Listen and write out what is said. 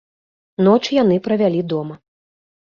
Ноч яны правялі дома.